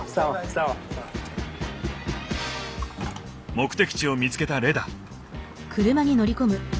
目的地を見つけたレダ。